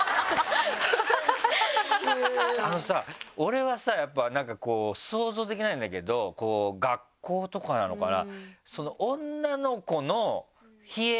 あのさ俺はさやっぱ想像できないんだけど学校とかなのかな？